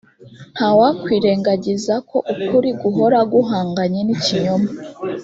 nta wakwirengagiza ko ukuri guhora guhanganye n’ikinyoma